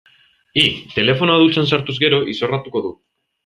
Hi, telefonoa dutxan sartuz gero, izorratuko duk.